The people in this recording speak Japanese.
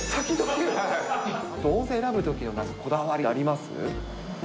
温泉選ぶときのこだわりあります？